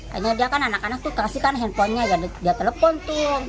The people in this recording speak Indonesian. akhirnya dia kan anak anak tuh kasihkan handphonenya dia telepon tuh